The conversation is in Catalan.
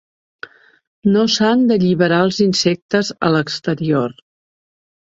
No s’han d’alliberar els insectes a l'exterior.